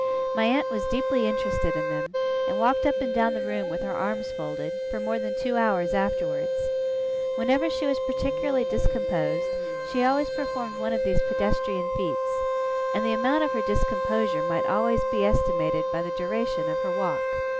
My aunt was deeply interested in them, and walked up and down the room with her arms folded, for more than two hours afterwards. Whenever she was particularly discomposed, she always performed one of these pedestrian feats; and the amount of her discomposure might always be estimated by the duration of her walk.